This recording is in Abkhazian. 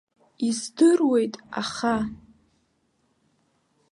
Издыруеит, аха.